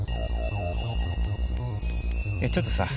いやちょっとさ